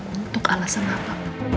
untuk alasan apa